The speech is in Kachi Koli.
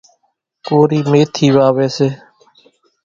ڪورِي ميٿِي واويَ سي۔